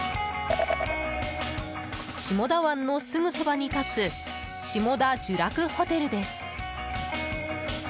下田湾のすぐそばに建つ下田じゅらくホテルです。